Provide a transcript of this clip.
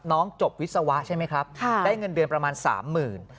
จบวิศวะใช่ไหมครับได้เงินเดือนประมาณสามหมื่น